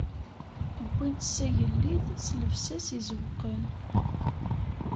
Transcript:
Wwin-tt s agellid s llebsa-s izewwqen.